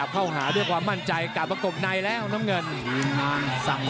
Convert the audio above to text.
ประมาณเริงชัยประมาณนั้น